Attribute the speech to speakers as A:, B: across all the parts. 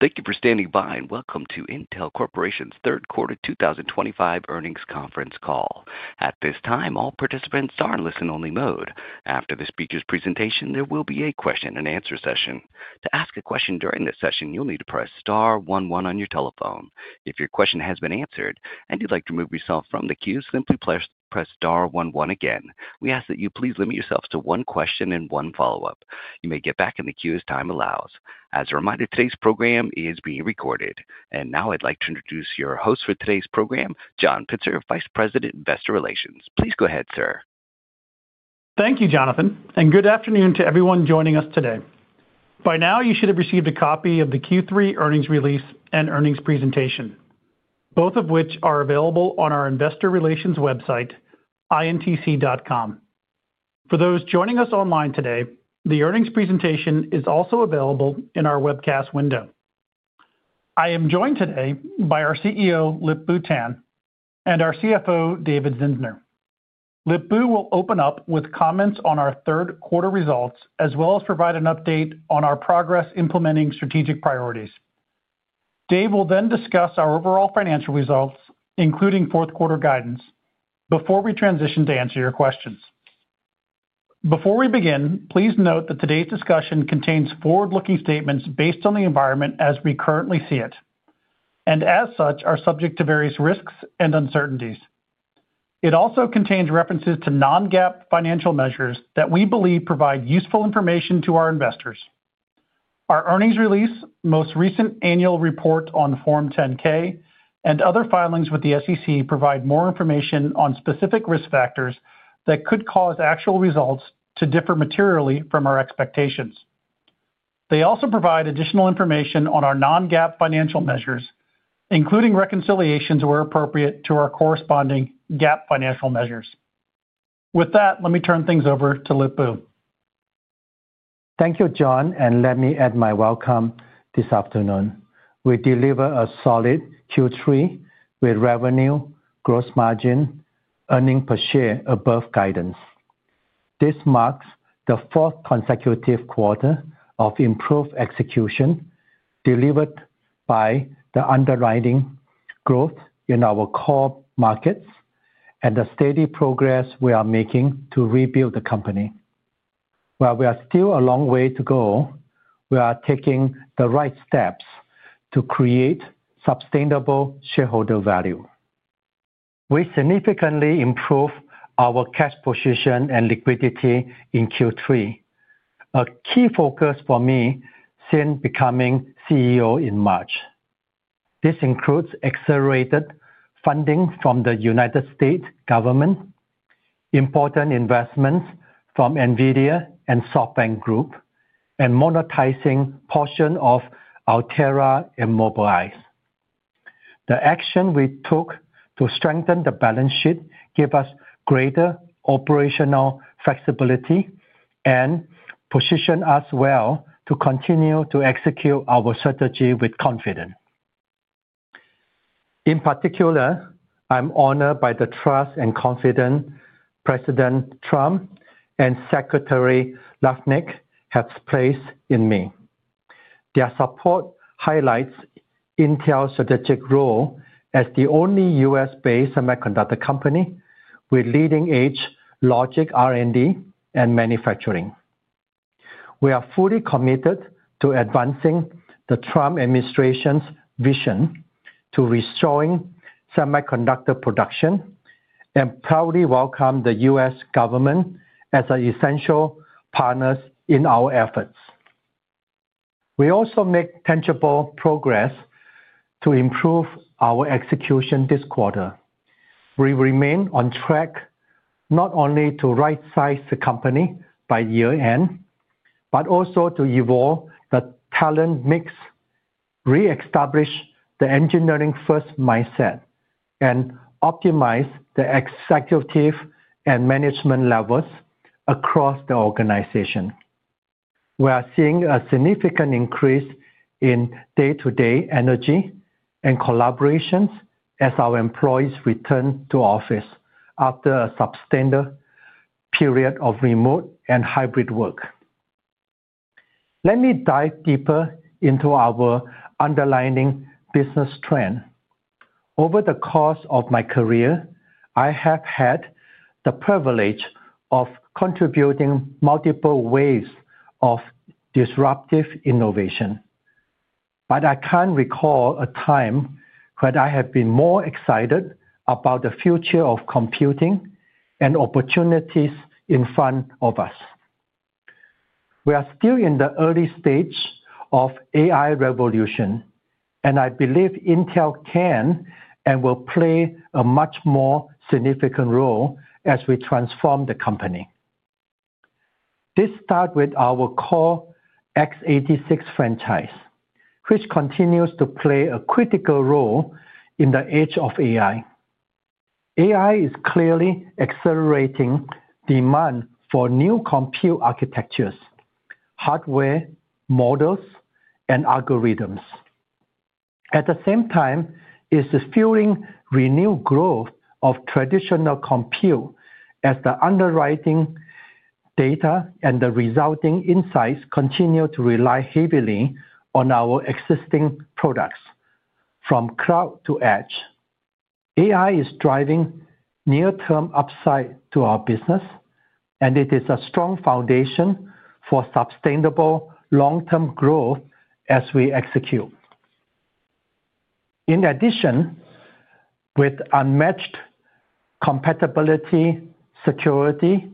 A: Thank you for standing by and welcome to Intel Corporation's third quarter 2025 earnings conference call. At this time, all participants are in listen-only mode. After the speaker's presentation, there will be a question and answer session. To ask a question during this session, you'll need to press star one one on your telephone. If your question has been answered and you'd like to remove yourself from the queue, simply press star one one again. We ask that you please limit yourself to one question and one follow-up. You may get back in the queue as time allows. As a reminder, today's program is being recorded. Now I'd like to introduce your host for today's program, John Pitzer, Vice President, Investor Relations. Please go ahead, sir.
B: Thank you, Jonathan, and good afternoon to everyone joining us today. By now, you should have received a copy of the Q3 earnings release and earnings presentation, both of which are available on our Investor Relations website, intc.com. For those joining us online today, the earnings presentation is also available in our webcast window. I am joined today by our CEO, Pat Gelsinger, and our CFO, David Zinsner. Pat will open up with comments on our third quarter results, as well as provide an update on our progress implementing strategic priorities. Dave will then discuss our overall financial results, including fourth quarter guidance, before we transition to answer your questions. Before we begin, please note that today's discussion contains forward-looking statements based on the environment as we currently see it, and as such, are subject to various risks and uncertainties. It also contains references to non-GAAP financial measures that we believe provide useful information to our investors. Our earnings release, most recent annual report on Form 10-K, and other filings with the SEC provide more information on specific risk factors that could cause actual results to differ materially from our expectations. They also provide additional information on our non-GAAP financial measures, including reconciliations where appropriate to our corresponding GAAP financial measures. With that, let me turn things over to Pat.
C: Thank you, John, and let me add my welcome this afternoon. We delivered a solid Q3 with revenue, gross margin, and earnings per share above guidance. This marks the fourth consecutive quarter of improved execution delivered by the underlying growth in our core markets and the steady progress we are making to rebuild the company. While we are still a long way to go, we are taking the right steps to create sustainable shareholder value. We significantly improved our cash position and liquidity in Q3, a key focus for me since becoming CEO in March. This includes accelerated funding from the U.S. government, important investments from Nvidia and SoftBank Group, and monetizing a portion of Altera and Mobilize. The action we took to strengthen the balance sheet gave us greater operational flexibility and positioned us well to continue to execute our strategy with confidence. In particular, I'm honored by the trust and confidence President Trump and Secretary Lafnick have placed in me. Their support highlights Intel's strategic role as the only U.S.-based semiconductor company with leading-edge logic R&D and manufacturing. We are fully committed to advancing the Trump administration's vision to restoring semiconductor production and proudly welcome the U.S. government as essential partners in our efforts. We also made tangible progress to improve our execution this quarter. We remain on track not only to right-size the company by year-end, but also to evolve the talent mix, reestablish the engineering-first mindset, and optimize the executive and management levels across the organization. We are seeing a significant increase in day-to-day energy and collaboration as our employees return to office after a substandard period of remote and hybrid work. Let me dive deeper into our underlying business trend. Over the course of my career, I have had the privilege of contributing to multiple waves of disruptive innovation. I can't recall a time when I have been more excited about the future of computing and opportunities in front of us. We are still in the early stage of the AI revolution, and I believe Intel can and will play a much more significant role as we transform the company. This starts with our core x86 franchise, which continues to play a critical role in the age of AI. AI is clearly accelerating demand for new compute architectures, hardware, models, and algorithms. At the same time, it's fueling renewed growth of traditional compute as the underlying data and the resulting insights continue to rely heavily on our existing products from cloud to edge. AI is driving near-term upside to our business, and it is a strong foundation for sustainable long-term growth as we execute. In addition, with unmatched compatibility, security,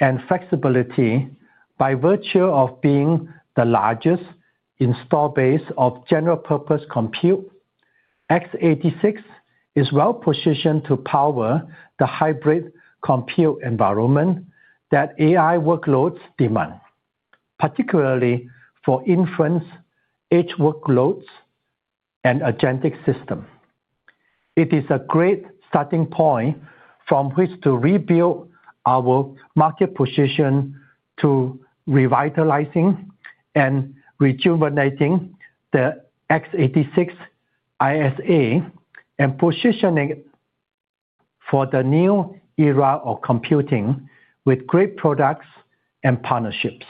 C: and flexibility, by virtue of being the largest install base of general-purpose compute, x86 is well-positioned to power the hybrid compute environment that AI workloads demand, particularly for inference, edge workloads, and agentic systems. It is a great starting point from which to rebuild our market position to revitalizing and rejuvenating the x86 ISA and positioning it for the new era of computing with great products and partnerships.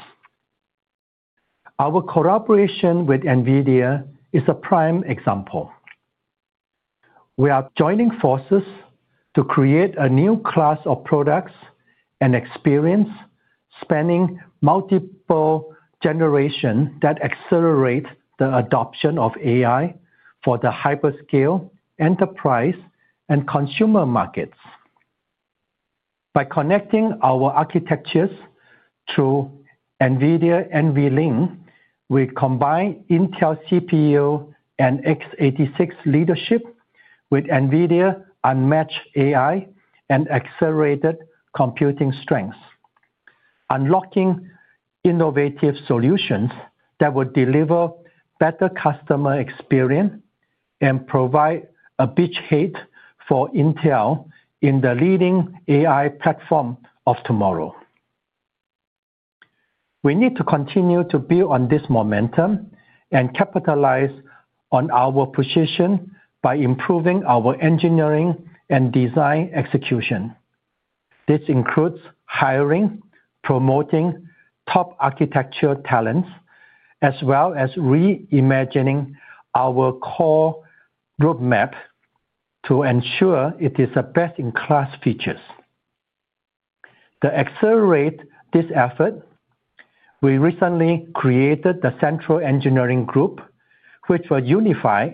C: Our collaboration with Nvidia is a prime example. We are joining forces to create a new class of products and experience spanning multiple generations that accelerate the adoption of AI for the hyperscale, enterprise, and consumer markets. By connecting our architectures through Nvidia NVLink, we combine Intel CPU and x86 leadership with Nvidia unmatched AI and accelerated computing strengths, unlocking innovative solutions that will deliver better customer experience and provide a beachhead for Intel in the leading AI platform of tomorrow. We need to continue to build on this momentum and capitalize on our position by improving our engineering and design execution. This includes hiring, promoting top architecture talents, as well as reimagining our core roadmap to ensure it is the best-in-class features. To accelerate this effort, we recently created the Central Engineering Group, which will unify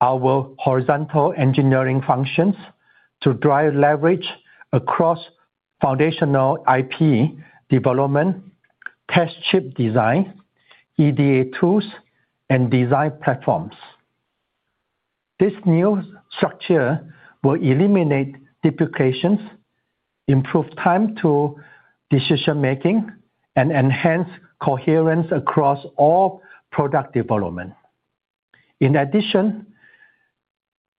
C: our horizontal engineering functions to drive leverage across foundational IP development, test chip design, EDA tools, and design platforms. This new structure will eliminate duplications, improve time to decision-making, and enhance coherence across all product development. In addition,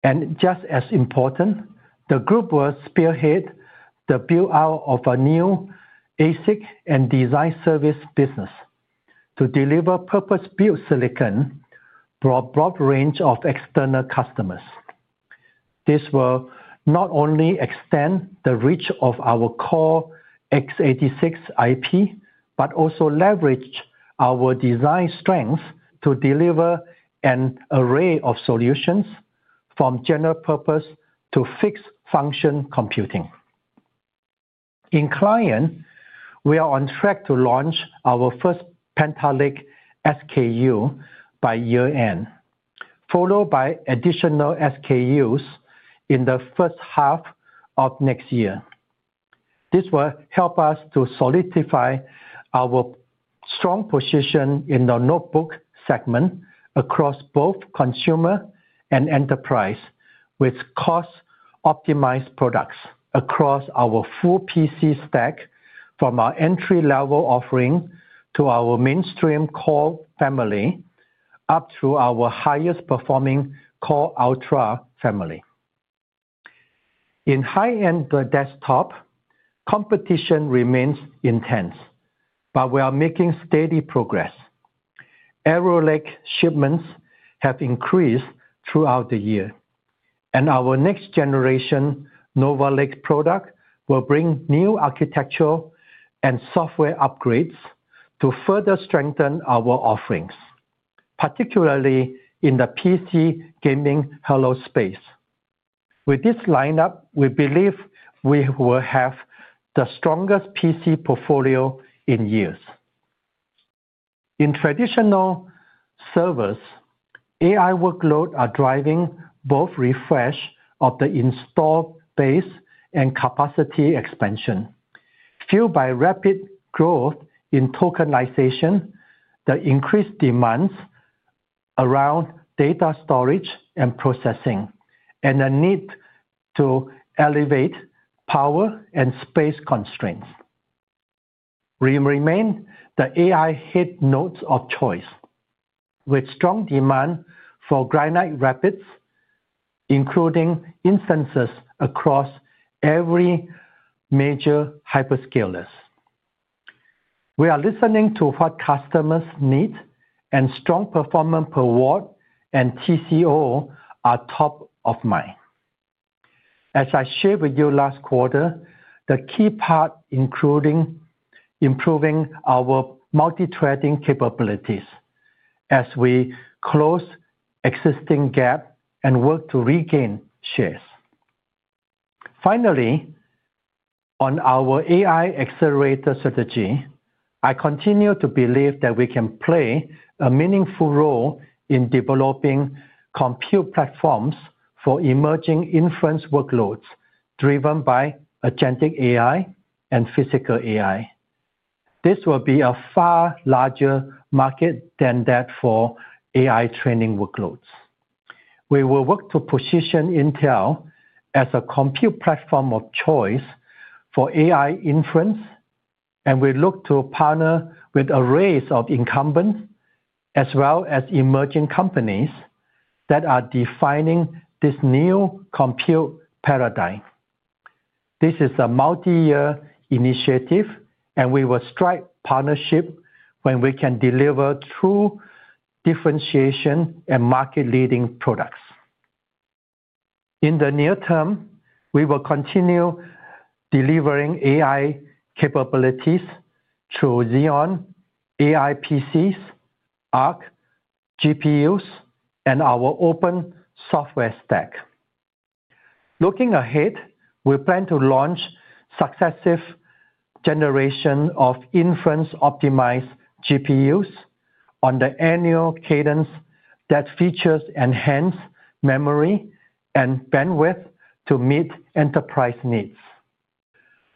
C: and just as important, the group will spearhead the build-out of a new ASIC and design service business to deliver purpose-built silicon for a broad range of external customers. This will not only extend the reach of our core x86 IP, but also leverage our design strengths to deliver an array of solutions from general purpose to fixed-function computing. In client, we are on track to launch our first Panther Lake SKU by year-end, followed by additional SKUs in the first half of next year. This will help us to solidify our strong position in the notebook segment across both consumer and enterprise with cost-optimized products. Across our full PC stack, from our entry-level offering to our mainstream Core family, up to our highest performing Core Ultra family. In high-end desktop, competition remains intense, but we are making steady progress. Arrow Lake shipments have increased throughout the year, and our next-generation Nova Lake product will bring new architectural and software upgrades to further strengthen our offerings, particularly in the PC gaming halo space. With this lineup, we believe we will have the strongest PC portfolio in years. In traditional servers, AI workloads are driving both refresh of the install base and capacity expansion, fueled by rapid growth in tokenization, the increased demands around data storage and processing, and the need to elevate power and space constraints. We remain the AI head nodes of choice, with strong demand for Granite Rapids, including instances across every major hyperscaler. We are listening to what customers need, and strong performance per watt and TCO are top of mind. As I shared with you last quarter, the key part is improving our multi-threading capabilities as we close existing gaps and work to regain shares. Finally, on our AI accelerator strategy, I continue to believe that we can play a meaningful role in developing compute platforms for emerging inference workloads driven by agentic AI and physical AI. This will be a far larger market than that for AI training workloads. We will work to position Intel as a compute platform of choice for AI inference, and we look to partner with a range of incumbents, as well as emerging companies that are defining this new compute paradigm. This is a multi-year initiative, and we will strike a partnership when we can deliver true differentiation and market-leading products. In the near term, we will continue delivering AI capabilities through Xeon AI PCs, Arc GPUs, and our open software stack. Looking ahead, we plan to launch successive generations of inference-optimized GPUs on the annual cadence that features enhanced memory and bandwidth to meet enterprise needs.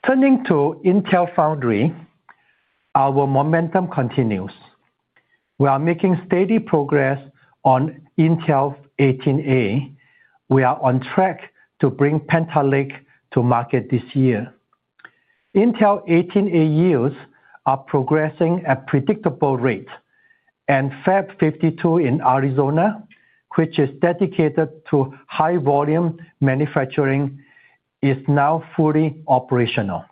C: Turning to Intel Foundry, our momentum continues. We are making steady progress on Intel 18A. We are on track to bring Panther Lake to market this year. Intel 18A yields are progressing at a predictable rate, and Fab 52 in Arizona, which is dedicated to high-volume manufacturing, is now fully operational.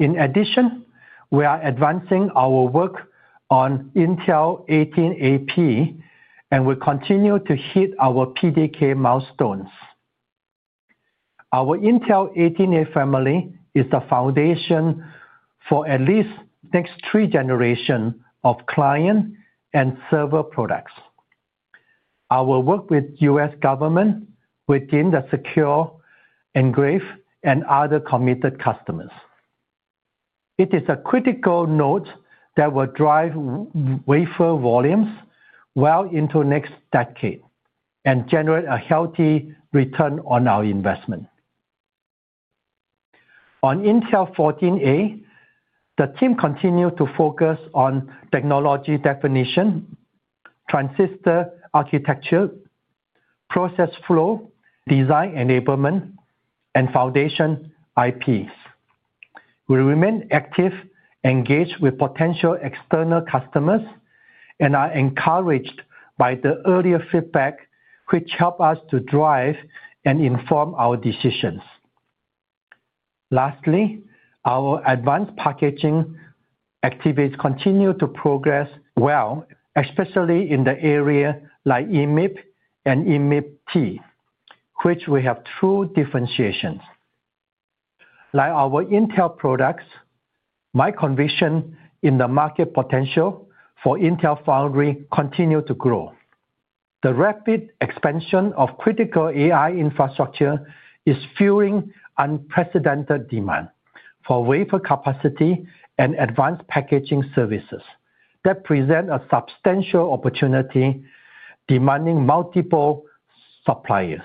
C: In addition, we are advancing our work on Intel 18A, and we continue to hit our PDK milestones. Our Intel 18A family is the foundation for at least the next three generations of client and server products. Our work with the U.S. government, within the secure enclave, and other committed customers. It is a critical node that will drive wafer volumes well into the next decade and generate a healthy return on our investment. On Intel 14A, the team continues to focus on technology definition, transistor architecture, process flow, design enablement, and foundation IPs. We remain active, engaged with potential external customers, and are encouraged by the earlier feedback, which helps us to drive and inform our decisions. Lastly, our advanced packaging activities continue to progress well, especially in the area like EMIB and EMIB-T, which we have true differentiation. Like our Intel products, my conviction in the market potential for Intel Foundry continues to grow. The rapid expansion of critical AI infrastructure is fueling unprecedented demand for wafer capacity and advanced packaging services that present a substantial opportunity demanding multiple suppliers.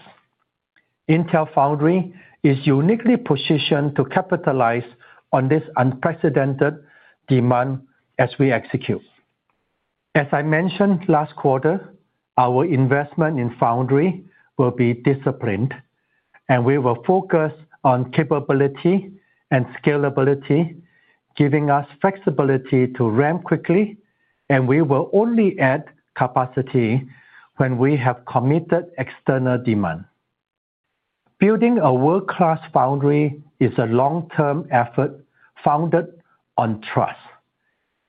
C: Intel Foundry is uniquely positioned to capitalize on this unprecedented demand as we execute. As I mentioned last quarter, our investment in Foundry will be disciplined, and we will focus on capability and scalability, giving us flexibility to ramp quickly, and we will only add capacity when we have committed external demand. Building a world-class Foundry is a long-term effort founded on trust.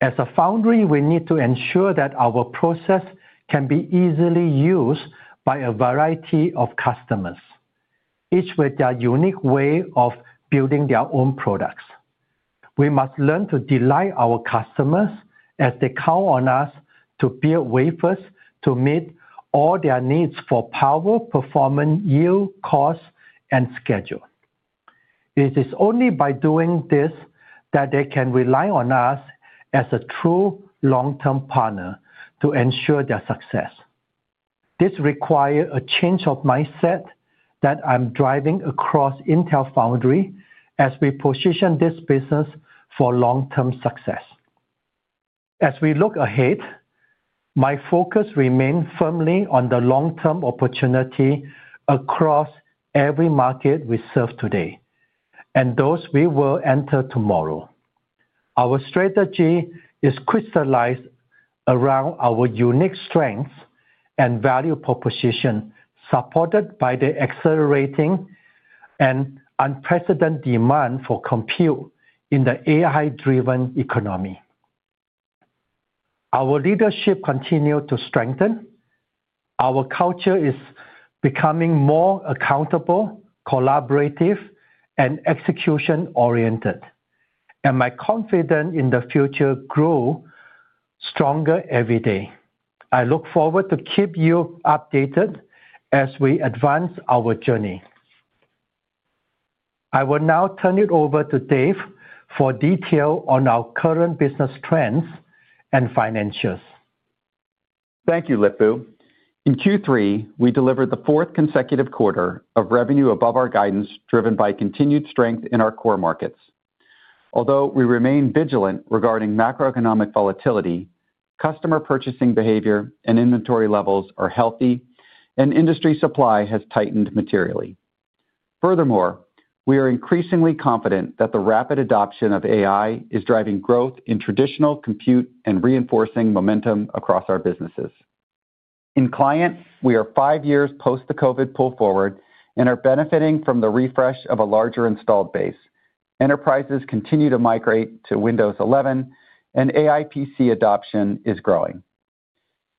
C: As a Foundry, we need to ensure that our process can be easily used by a variety of customers, each with their unique way of building their own products. We must learn to delight our customers as they count on us to build wafers to meet all their needs for power, performance, yield, cost, and schedule. It is only by doing this that they can rely on us as a true long-term partner to ensure their success. This requires a change of mindset that I'm driving across Intel Foundry as we position this business for long-term success. As we look ahead, my focus remains firmly on the long-term opportunity across every market we serve today and those we will enter tomorrow. Our strategy is crystallized around our unique strengths and value proposition, supported by the accelerating and unprecedented demand for compute in the AI-driven economy. Our leadership continues to strengthen. Our culture is becoming more accountable, collaborative, and execution-oriented, and my confidence in the future grows stronger every day. I look forward to keeping you updated as we advance our journey. I will now turn it over to David Zinsner for details on our current business trends and financials.
D: Thank you, Lip-Bu. In Q3, we delivered the fourth consecutive quarter of revenue above our guidance, driven by continued strength in our core markets. Although we remain vigilant regarding macroeconomic volatility, customer purchasing behavior and inventory levels are healthy, and industry supply has tightened materially. Furthermore, we are increasingly confident that the rapid adoption of AI is driving growth in traditional compute and reinforcing momentum across our businesses. In client, we are five years post the COVID pull forward and are benefiting from the refresh of a larger installed base. Enterprises continue to migrate to Windows 11, and AI PC adoption is growing.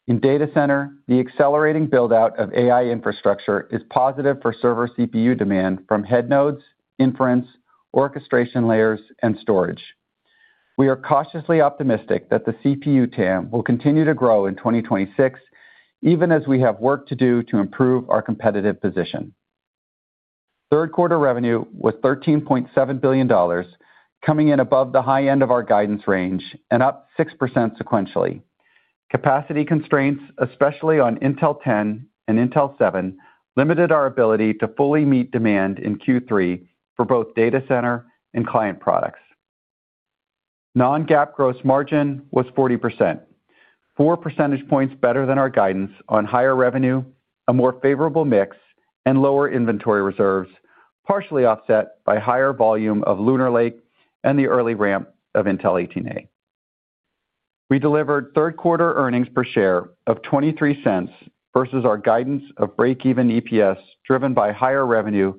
D: In data center, the accelerating build-out of AI infrastructure is positive for server CPU demand from head nodes, inference, orchestration layers, and storage. We are cautiously optimistic that the CPU TAM will continue to grow in 2026, even as we have work to do to improve our competitive position. Third quarter revenue was $13.7 billion, coming in above the high end of our guidance range and up 6% sequentially. Capacity constraints, especially on Intel 10 and Intel seven, limited our ability to fully meet demand in Q3 for both data center and client products. Non-GAAP gross margin was 40%, four percentage points better than our guidance on higher revenue, a more favorable mix, and lower inventory reserves, partially offset by higher volume of Lunar Lake and the early ramp of Intel 18A. We delivered third quarter earnings per share of $0.23 versus our guidance of break-even EPS, driven by higher revenue,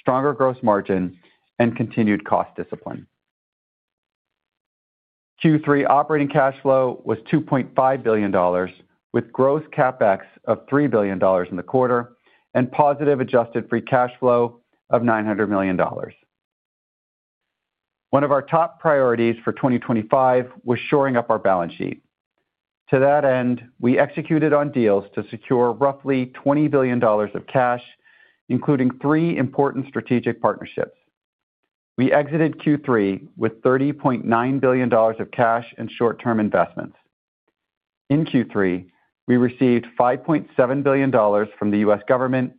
D: stronger gross margin, and continued cost discipline. Q3 operating cash flow was $2.5 billion, with gross CapEx of $3 billion in the quarter and positive adjusted free cash flow of $900 million. One of our top priorities for 2025 was shoring up our balance sheet. To that end, we executed on deals to secure roughly $20 billion of cash, including three important strategic partnerships. We exited Q3 with $30.9 billion of cash and short-term investments. In Q3, we received $5.7 billion from the U.S. government,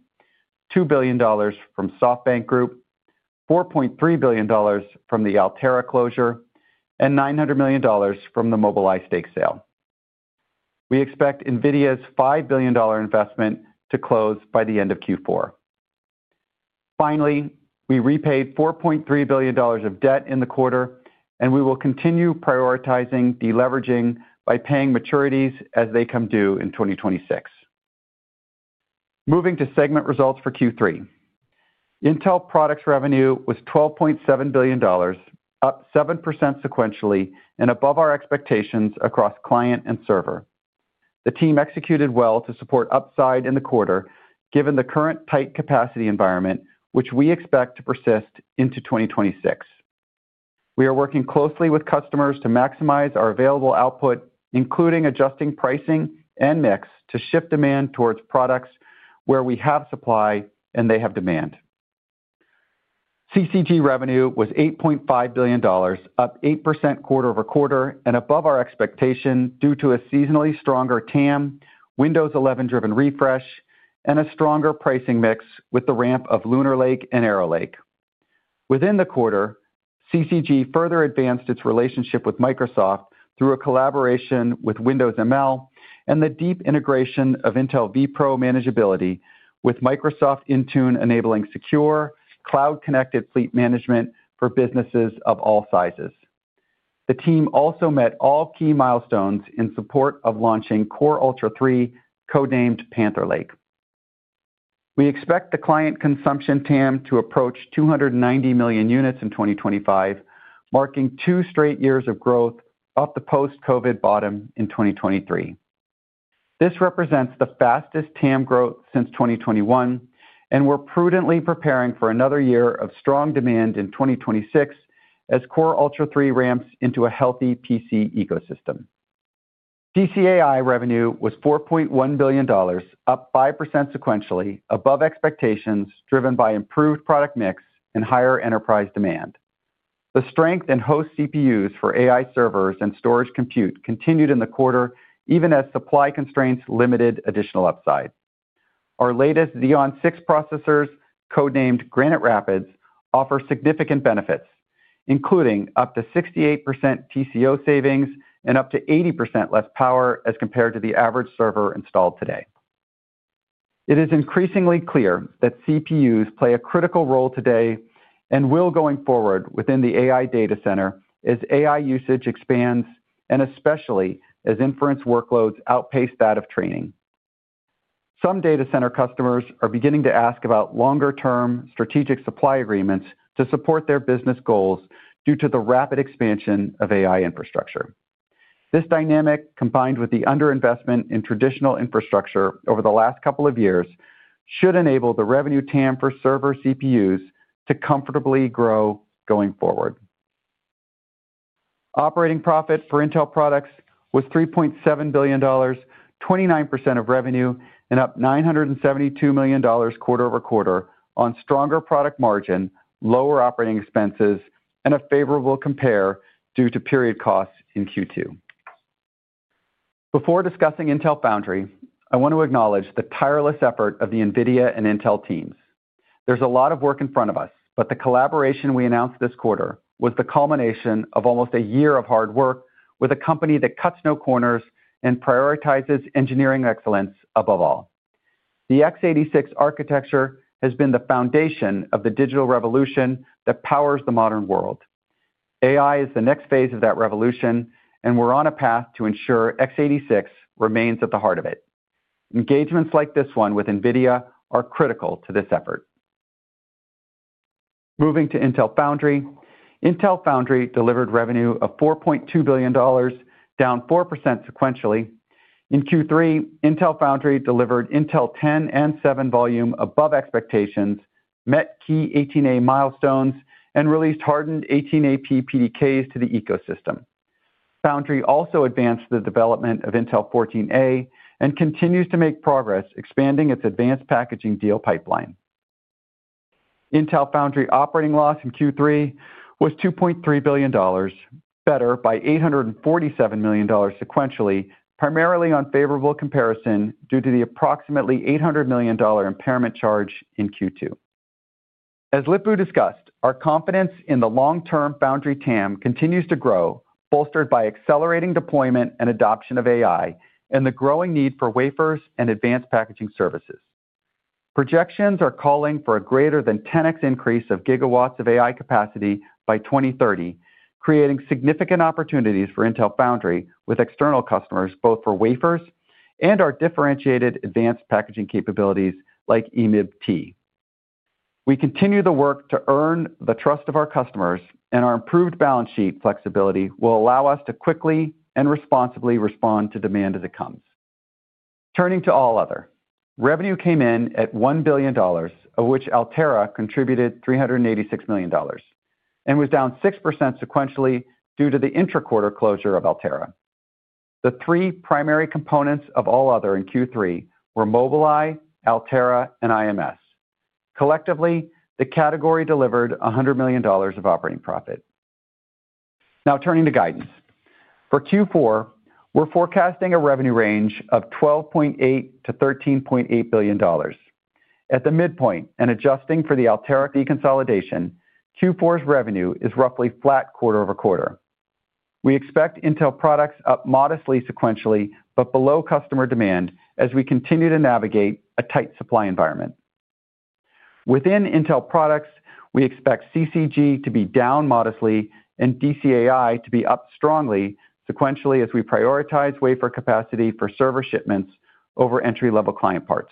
D: $2 billion from SoftBank Group, $4.3 billion from the Altera closure, and $900 million from the Mobilize stake sale. We expect Nvidia's $5 billion investment to close by the end of Q4. Finally, we repaid $4.3 billion of debt in the quarter, and we will continue prioritizing deleveraging by paying maturities as they come due in 2026. Moving to segment results for Q3, Intel products revenue was $12.7 billion, up 7% sequentially and above our expectations across client and server. The team executed well to support upside in the quarter, given the current tight capacity environment, which we expect to persist into 2026. We are working closely with customers to maximize our available output, including adjusting pricing and mix to shift demand towards products where we have supply and they have demand. CCG revenue was $8.5 billion, up 8% quarter-over-quarter and above our expectation due to a seasonally stronger TAM, Windows 11-driven refresh, and a stronger pricing mix with the ramp of Lunar Lake and Arrow Lake. Within the quarter, CCG further advanced its relationship with Microsoft through a collaboration with Windows ML and the deep integration of Intel vPro manageability, with Microsoft Intune enabling secure, cloud-connected fleet management for businesses of all sizes. The team also met all key milestones in support of launching Core Ultra three, codenamed Panther Lake. We expect the client consumption TAM to approach 290 million units in 2025, marking two straight years of growth, up the post-COVID bottom in 2023. This represents the fastest TAM growth since 2021, and we're prudently preparing for another year of strong demand in 2026 as Core Ultra three ramps into a healthy PC ecosystem. TCAI revenue was $4.1 billion, up 5% sequentially, above expectations, driven by improved product mix and higher enterprise demand. The strength in host CPUs for AI servers and storage compute continued in the quarter, even as supply constraints limited additional upside. Our latest Xeon six processors, codenamed Granite Rapids, offer significant benefits, including up to 68% TCO savings and up to 80% less power as compared to the average server installed today. It is increasingly clear that CPUs play a critical role today and will going forward within the AI data center as AI usage expands and especially as inference workloads outpace that of training. Some data center customers are beginning to ask about longer-term strategic supply agreements to support their business goals due to the rapid expansion of AI infrastructure. This dynamic, combined with the underinvestment in traditional infrastructure over the last couple of years, should enable the revenue TAM for server CPUs to comfortably grow going forward. Operating profit for Intel products was $3.7 billion, 29% of revenue, and up $972 million quarter-over-quarter on stronger product margin, lower operating expenses, and a favorable compare due to period costs in Q2. Before discussing Intel Foundry, I want to acknowledge the tireless effort of the Nvidia and Intel teams. There's a lot of work in front of us, but the collaboration we announced this quarter was the culmination of almost a year of hard work with a company that cuts no corners and prioritizes engineering excellence above all. The x86 architecture has been the foundation of the digital revolution that powers the modern world. AI is the next phase of that revolution, and we're on a path to ensure x86 remains at the heart of it. Engagements like this one with Nvidia are critical to this effort. Moving to Intel Foundry, Intel Foundry delivered revenue of $4.2 billion, down 4% sequentially. In Q3, Intel Foundry delivered Intel 10 and seven volume above expectations, met key 18A milestones, and released hardened 18A PDKs to the ecosystem. Foundry also advanced the development of Intel 14A and continues to make progress, expanding its advanced packaging deal pipeline. Intel Foundry operating loss in Q3 was $2.3 billion, better by $847 million sequentially, primarily on favorable comparison due to the approximately $800 million impairment charge in Q2. As Lip-Bu Tan discussed, our confidence in the long-term Foundry TAM continues to grow, bolstered by accelerating deployment and adoption of AI and the growing need for wafers and advanced packaging services. Projections are calling for a greater than 10X increase of gigawatts of AI capacity by 2030, creating significant opportunities for Intel Foundry with external customers, both for wafers and our differentiated advanced packaging capabilities like EMIB-T. We continue the work to earn the trust of our customers, and our improved balance sheet flexibility will allow us to quickly and responsibly respond to demand as it comes. Turning to All Other, revenue came in at $1 billion, of which Altera contributed $386 million and was down 6% sequentially due to the intra-quarter closure of Altera. The three primary components of All Other in Q3 were Mobilize, Altera, and IMS. Collectively, the category delivered $100 million of operating profit. Now turning to guidance. For Q4, we're forecasting a revenue range of $12.8 to $13.8 billion. At the midpoint and adjusting for the Altera de-consolidation, Q4's revenue is roughly flat quarter-over-quarter. We expect Intel products up modestly sequentially, but below customer demand as we continue to navigate a tight supply environment. Within Intel products, we expect CCG to be down modestly and DCAI to be up strongly sequentially as we prioritize wafer capacity for server shipments over entry-level client parts.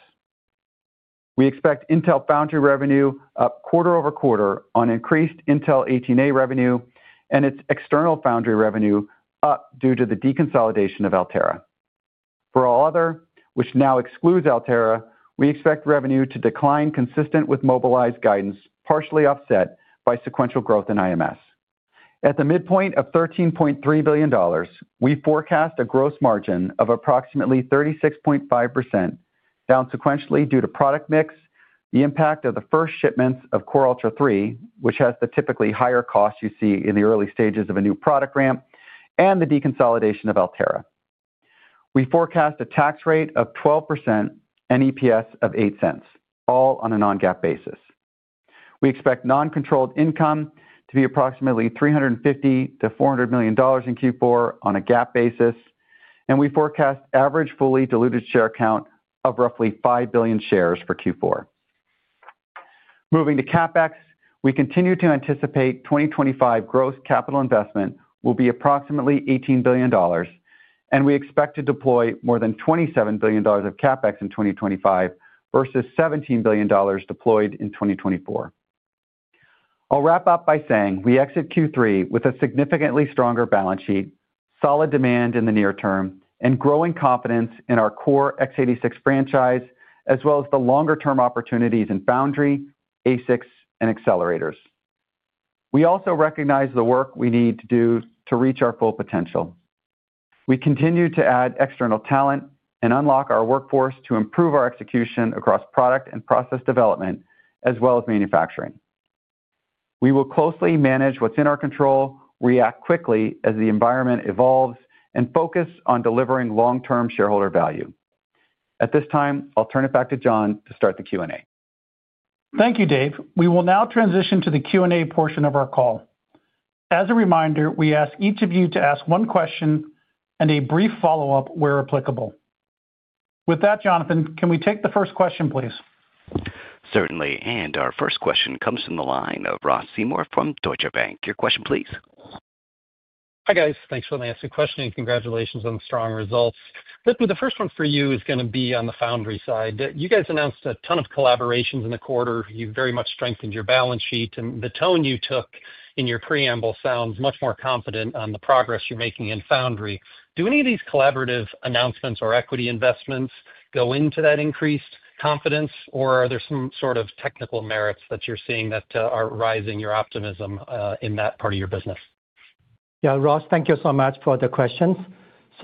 D: We expect Intel Foundry revenue up quarter over quarter on increased Intel 18A revenue and its external Foundry revenue up due to the de-consolidation of Altera. For All Other, which now excludes Altera, we expect revenue to decline consistent with Mobilize guidance, partially offset by sequential growth in IMS. At the midpoint of $13.3 billion, we forecast a gross margin of approximately 36.5% down sequentially due to product mix, the impact of the first shipments of Core Ultra three, which has the typically higher cost you see in the early stages of a new product ramp, and the de-consolidation of Altera. We forecast a tax rate of 12% and EPS of $0.08, all on a non-GAAP basis. We expect non-controlled income to be approximately $350million-$400 million in Q4 on a GAAP basis, and we forecast an average fully diluted share count of roughly 5 billion shares for Q4. Moving to CapEx, we continue to anticipate 2025 gross capital investment will be approximately $18 billion, and we expect to deploy more than $27 billion of CapEx in 2025 versus $17 billion deployed in 2024. I'll wrap up by saying we exit Q3 with a significantly stronger balance sheet, solid demand in the near term, and growing confidence in our core x86 franchise, as well as the longer-term opportunities in Foundry, ASICs, and accelerators. We also recognize the work we need to do to reach our full potential. We continue to add external talent and unlock our workforce to improve our execution across product and process development, as well as manufacturing. We will closely manage what's in our control, react quickly as the environment evolves, and focus on delivering long-term shareholder value. At this time, I'll turn it back to John to start the Q&A.
B: Thank you, Dave. We will now transition to the Q&A portion of our call. As a reminder, we ask each of you to ask one question and a brief follow-up where applicable. With that, Jonathan, can we take the first question, please?
A: Certainly, our first question comes from the line of Ross Seymore from Deutsche Bank. Your question, please.
E: Hi guys, thanks for letting me ask your question and congratulations on the strong results. Pat, the first one for you is going to be on the Foundry side. You guys announced a ton of collaborations in the quarter. You very much strengthened your balance sheet, and the tone you took in your preamble sounds much more confident on the progress you're making in Foundry. Do any of these collaborative announcements or equity investments go into that increased confidence, or are there some sort of technical merits that you're seeing that are rising your optimism in that part of your business?
C: Yeah, Ross, thank you so much for the questions.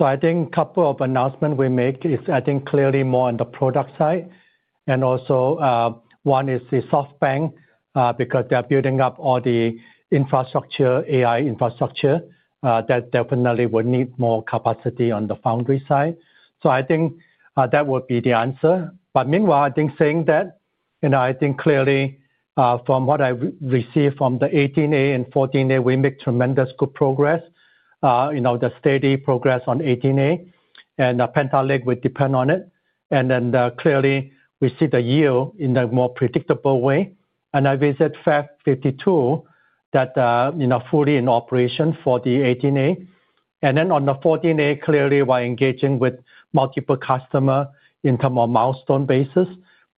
C: I think a couple of announcements we make is, I think, clearly more on the product side. One is the SoftBank because they're building up all the infrastructure, AI infrastructure that definitely would need more capacity on the Foundry side. I think that would be the answer. Meanwhile, I think saying that, you know, I think clearly from what I receive from the 18A and 14A, we make tremendous good progress. You know, the steady progress on 18A, and Panther Lake would depend on it. Clearly we see the yield in a more predictable way. I visit Fab 52 that, you know, fully in operation for the 18A. On the 14A, clearly we're engaging with multiple customers in terms of milestone basis.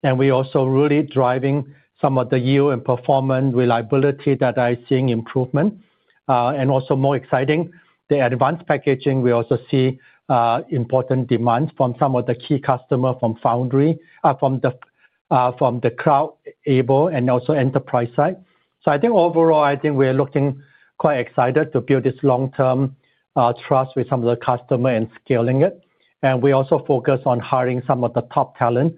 C: Now we also really driving some of the yield and performance reliability that I'm seeing improvement. Also more exciting, the advanced packaging, we also see important demands from some of the key customers from Foundry, from the cloud able, and also enterprise side. I think overall, I think we're looking quite excited to build this long-term trust with some of the customers and scaling it. We also focus on hiring some of the top talent,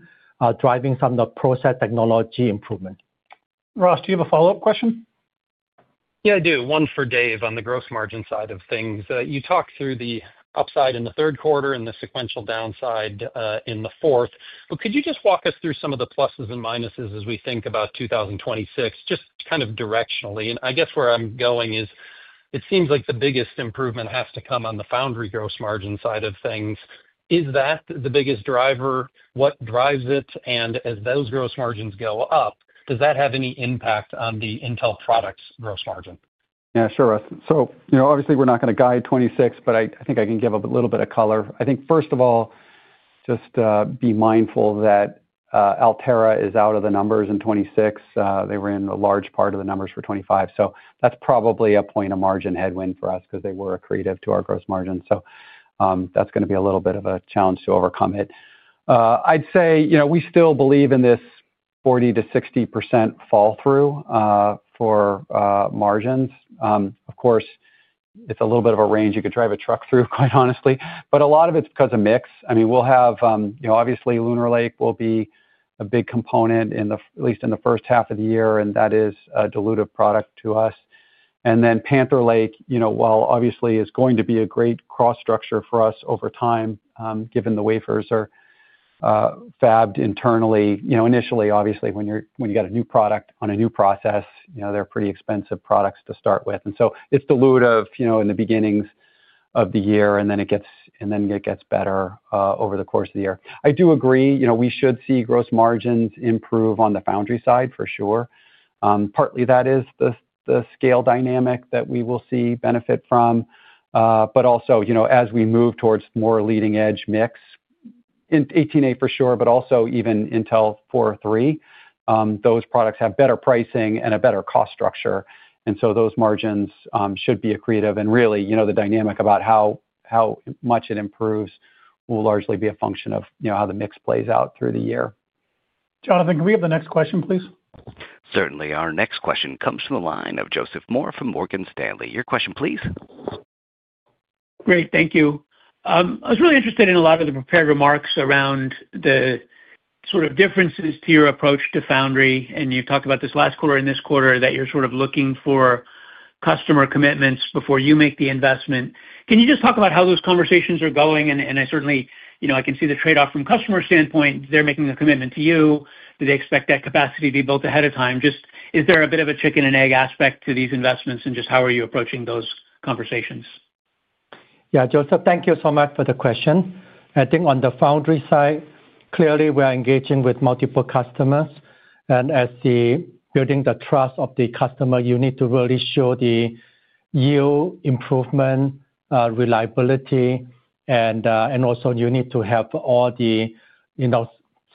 C: driving some of the process technology improvement.
B: Ross, do you have a follow-up question?
E: Yeah, I do. One for Dave on the gross margin side of things. You talked through the upside in the third quarter and the sequential downside in the fourth. Could you just walk us through some of the pluses and minuses as we think about 2026, just kind of directionally? I guess where I'm going is it seems like the biggest improvement has to come on the Foundry gross margin side of things. Is that the biggest driver? What drives it? As those gross margins go up, does that have any impact on the Intel products gross margin?
D: Yeah, sure, Ross. Obviously we're not going to guide 2026, but I think I can give a little bit of color. First of all, just be mindful that Altera is out of the numbers in 2026. They were in a large part of the numbers for 2025. That's probably a point of margin headwind for us because they were accretive to our gross margins. That's going to be a little bit of a challenge to overcome. I'd say we still believe in this 40%-60% fall through for margins. Of course, it's a little bit of a range you could drive a truck through, quite honestly. A lot of it's because of mix. We'll have, obviously, Lunar Lake will be a big component at least in the first half of the year, and that is a dilutive product to us. Panther Lake, while obviously is going to be a great cost structure for us over time, given the wafers are fabbed internally, initially, when you got a new product on a new process, they're pretty expensive products to start with. It's dilutive in the beginnings of the year, and then it gets better over the course of the year. I do agree we should see gross margins improve on the Foundry side for sure. Partly that is the scale dynamic that we will see benefit from. Also, as we move towards more leading edge mix, 18A for sure, but also even Intel four or 3, those products have better pricing and a better cost structure. Those margins should be accretive. The dynamic about how much it improves will largely be a function of how the mix plays out through the year.
B: Jonathan, can we have the next question, please?
A: Certainly, our next question comes from the line of Joseph Moore from Morgan Stanley. Your question, please.
F: Great, thank you. I was really interested in a lot of the prepared remarks around the sort of differences to your approach to Foundry. You talked about this last quarter and this quarter that you're sort of looking for customer commitments before you make the investment. Can you just talk about how those conversations are going? I certainly, you know, I can see the trade-off from a customer standpoint. They're making a commitment to you. Do they expect that capacity to be built ahead of time? Is there a bit of a chicken and egg aspect to these investments and just how are you approaching those conversations?
C: Yeah, Joseph, thank you so much for the question. I think on the Foundry side, clearly we are engaging with multiple customers. As the building the trust of the customer, you need to really show the yield improvement, reliability, and also you need to have all the, you know,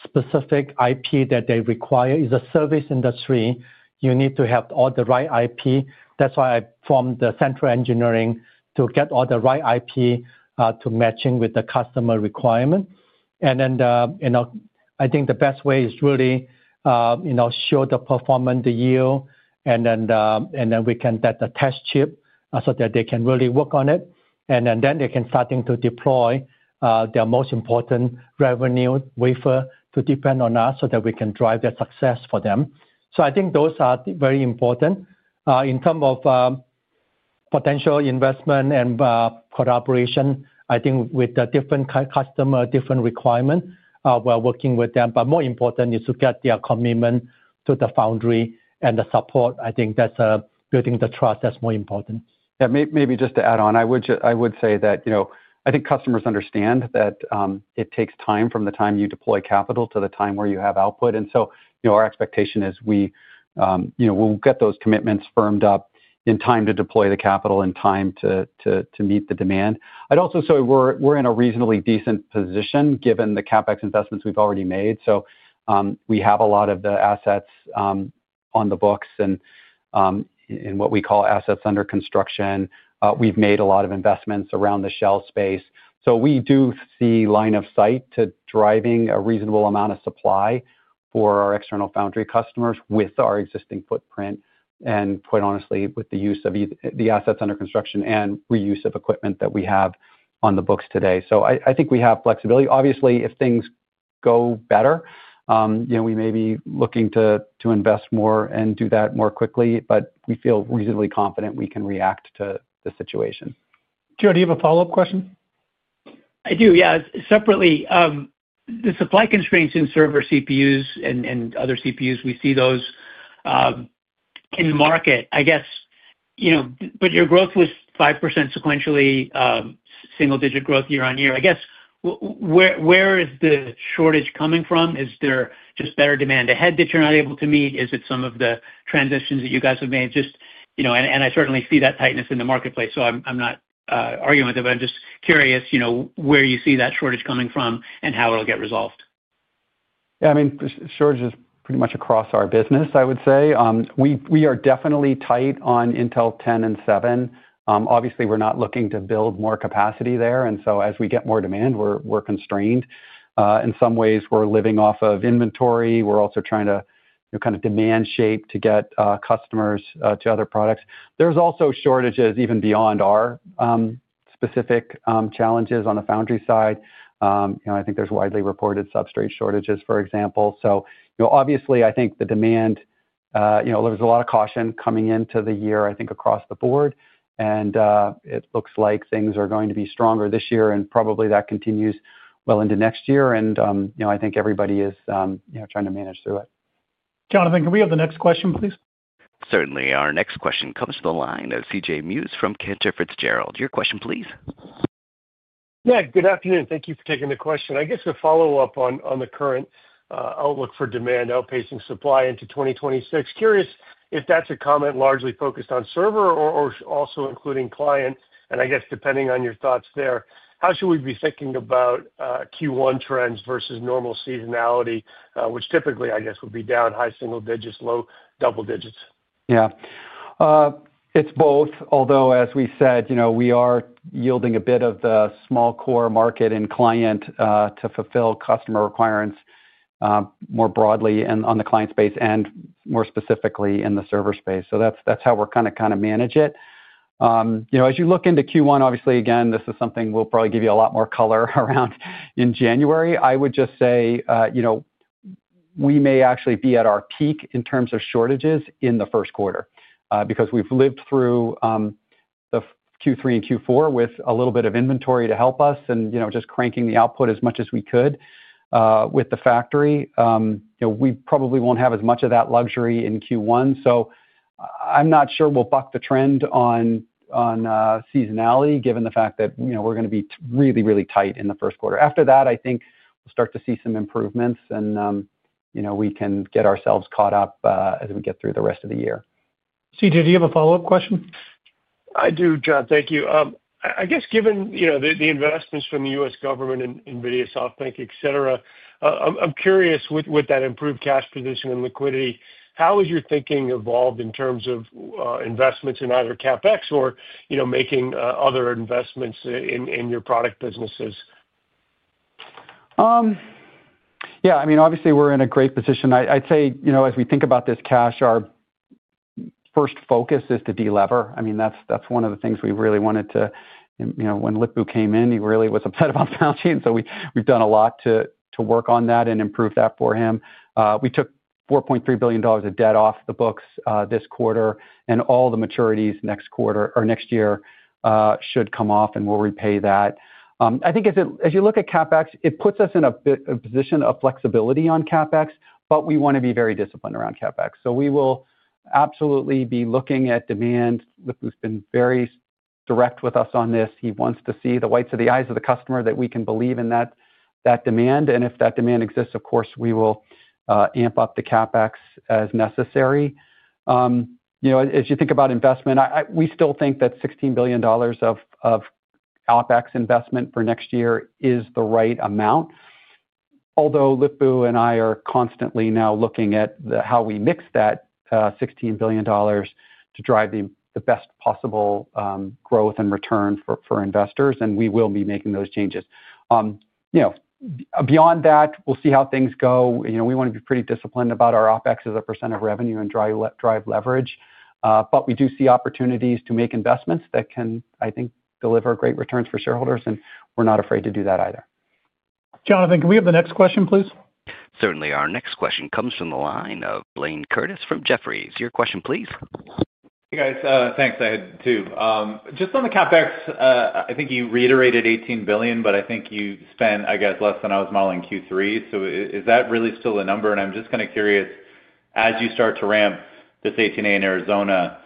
C: specific IP that they require. It's a service industry. You need to have all the right IP. That's why I formed the central engineering to get all the right IP to matching with the customer requirement. I think the best way is really, you know, show the performance, the yield, and then we can attach chip so that they can really work on it. Then they can start to deploy their most important revenue wafer to depend on us so that we can drive that success for them. I think those are very important. In terms of potential investment and collaboration, I think with the different customers, different requirements, we're working with them. More important is to get their commitment to the Foundry and the support. I think that's building the trust that's more important.
D: Yeah, maybe just to add on, I would say that, you know, I think customers understand that it takes time from the time you deploy capital to the time where you have output. Our expectation is we, you know, we'll get those commitments firmed up in time to deploy the capital in time to meet the demand. I'd also say we're in a reasonably decent position given the CapEx investments we've already made. We have a lot of the assets on the books and in what we call assets under construction. We've made a lot of investments around the shell space. We do see line of sight to driving a reasonable amount of supply for our external foundry customers with our existing footprint and quite honestly with the use of the assets under construction and reuse of equipment that we have on the books today. I think we have flexibility. Obviously, if things go better, you know, we may be looking to invest more and do that more quickly, but we feel reasonably confident we can react to the situation.
B: Joe, do you have a follow-up question?
F: I do, yeah. Separately, the supply constraints in server CPUs and other CPUs, we see those in the market. I guess, you know, but your growth was 5% sequentially, single-digit growth year on year. I guess where is the shortage coming from? Is there just better demand ahead that you're not able to meet? Is it some of the transitions that you guys have made? I certainly see that tightness in the marketplace. I'm not arguing with it, but I'm just curious, you know, where you see that shortage coming from and how it'll get resolved.
D: Yeah, I mean, the shortage is pretty much across our business, I would say. We are definitely tight on Intel 10 and seven. Obviously, we're not looking to build more capacity there, and as we get more demand, we're constrained. In some ways, we're living off of inventory. We're also trying to kind of demand shape to get customers to other products. There's also shortages even beyond our specific challenges on the Foundry side. I think there's widely reported substrate shortages, for example. Obviously, I think the demand, there's a lot of caution coming into the year, I think, across the board. It looks like things are going to be stronger this year, and probably that continues well into next year. I think everybody is trying to manage through it.
B: Jonathan, can we have the next question, please?
A: Certainly, our next question comes to the line of CJ Muse from Cantor Fitzgerald. Your question, please.
G: Yeah, good afternoon. Thank you for taking the question. I guess a follow-up on the current outlook for demand outpacing supply into 2026. Curious if that's a comment largely focused on server or also including clients. I guess depending on your thoughts there, how should we be thinking about Q1 trends versus normal seasonality, which typically I guess would be down high single digits, low double digits?
D: Yeah, it's both. Although, as we said, you know, we are yielding a bit of the small core market in client to fulfill customer requirements more broadly on the client space and more specifically in the server space. That's how we're kind of trying to manage it. As you look into Q1, obviously, this is something we'll probably give you a lot more color around in January. I would just say, we may actually be at our peak in terms of shortages in the first quarter because we've lived through Q3 and Q4 with a little bit of inventory to help us and just cranking the output as much as we could with the factory. We probably won't have as much of that luxury in Q1. I'm not sure we'll buck the trend on seasonality given the fact that we're going to be really, really tight in the first quarter. After that, I think we'll start to see some improvements and we can get ourselves caught up as we get through the rest of the year.
B: CJ, do you have a follow-up question?
G: I do, John. Thank you. I guess given the investments from the U.S. government and Nvidia, SoftBank, etc., I'm curious with that improved cash position and liquidity, how has your thinking evolved in terms of investments in either CapEx or making other investments in your product businesses?
D: Yeah, I mean, obviously we're in a great position. I'd say, you know, as we think about this cash, our first focus is to delever. That's one of the things we really wanted to, you know, when Pat came in, he really was upset about Foundry. We've done a lot to work on that and improve that for him. We took $4.3 billion of debt off the books this quarter, and all the maturities next quarter or next year should come off, and we'll repay that. I think as you look at CapEx, it puts us in a position of flexibility on CapEx, but we want to be very disciplined around CapEx. We will absolutely be looking at demand. Pat's been very direct with us on this. He wants to see the whites of the eyes of the customer that we can believe in that demand. If that demand exists, of course, we will amp up the CapEx as necessary. As you think about investment, we still think that $16 billion of CapEx investment for next year is the right amount. Although Pat and I are constantly now looking at how we mix that $16 billion to drive the best possible growth and return for investors, and we will be making those changes. Beyond that, we'll see how things go. We want to be pretty disciplined about our OpEx as a percent of revenue and drive leverage. We do see opportunities to make investments that can, I think, deliver great returns for shareholders, and we're not afraid to do that either.
B: Jonathan, can we have the next question, please?
A: Certainly, our next question comes from the line of Blaine Curtis from Jefferies. Your question, please.
H: Hey guys, thanks. I had two. Just on the CapEx, I think you reiterated $18 billion, but I think you spent, I guess, less than I was modeling Q3. Is that really still a number? I'm just kind of curious, as you start to ramp this 18A in Arizona,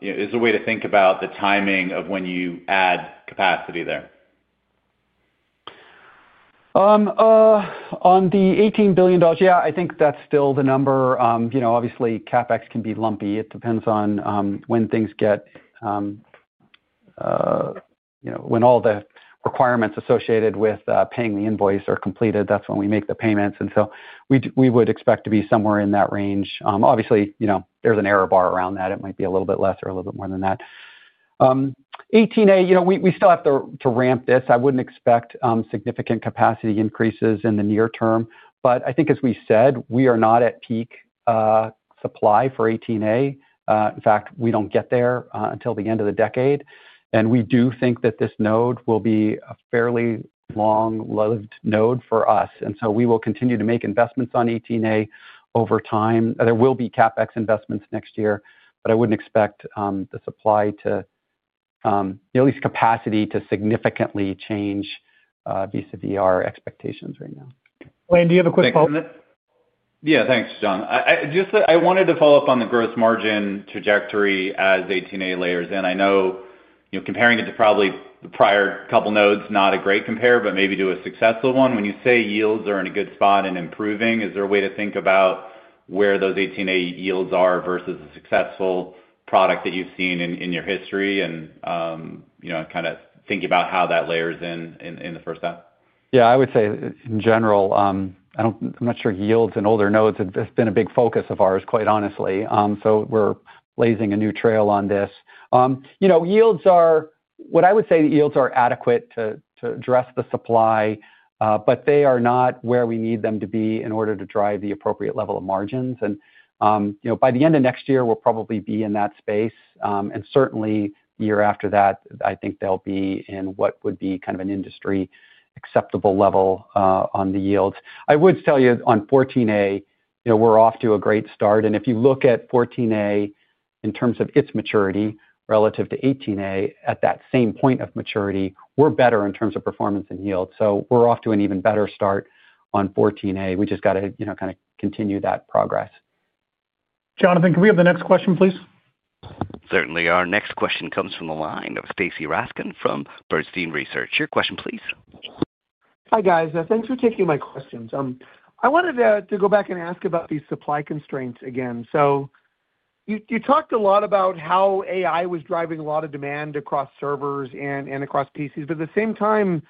H: is there a way to think about the timing of when you add capacity there?
D: On the $18 billion, yeah, I think that's still the number. Obviously, CapEx can be lumpy. It depends on when things get, you know, when all the requirements associated with paying the invoice are completed. That's when we make the payments. We would expect to be somewhere in that range. Obviously, you know, there's an error bar around that. It might be a little bit less or a little bit more than that. 18A, you know, we still have to ramp this. I wouldn't expect significant capacity increases in the near term. I think, as we said, we are not at peak supply for 18A. In fact, we don't get there until the end of the decade. We do think that this node will be a fairly long-lived node for us. We will continue to make investments on 18A over time. There will be CapEx investments next year, but I wouldn't expect the supply to, at least, capacity to significantly change vis-à-vis our expectations right now.
B: Blaine, do you have a quick call?
H: Yeah, thanks, John. I wanted to follow up on the gross margin trajectory as 18A layers in. I know, you know, comparing it to probably the prior couple of nodes, not a great compare, but maybe to a successful one. When you say yields are in a good spot and improving, is there a way to think about where those 18A yields are versus a successful product that you've seen in your history and, you know, kind of thinking about how that layers in in the first half?
D: Yeah, I would say in general, I'm not sure yields in older nodes have been a big focus of ours, quite honestly. We're blazing a new trail on this. Yields are, what I would say, the yields are adequate to address the supply, but they are not where we need them to be in order to drive the appropriate level of margins. By the end of next year, we'll probably be in that space. Certainly the year after that, I think they'll be in what would be kind of an industry-acceptable level on the yields. I would tell you on Intel 14A, we're off to a great start. If you look at Intel 14A in terms of its maturity relative to Intel 18A at that same point of maturity, we're better in terms of performance and yield. We're off to an even better start on Intel 14A. We just got to, you know, kind of continue that progress.
B: Jonathan, can we have the next question, please?
A: Certainly, our next question comes from the line of Stacy Rasgon from Bernstein Research. Your question, please.
I: Hi guys, thanks for taking my questions. I wanted to go back and ask about these supply constraints again. You talked a lot about how AI was driving a lot of demand across servers and across PCs, but at the same time,